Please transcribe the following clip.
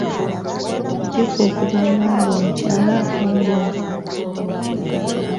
Kituufu okugamba mbu omukyala afumbirwa?